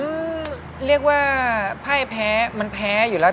เรียกว่าไพ่แพ้มันแพ้อยู่แล้ว